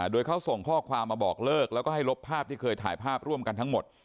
โดยเขาส่งข้อความมาบอกเลิกแล้วก็ให้ลบภาพที่เคยถ่ายภาพร่วมกันทั้งหมด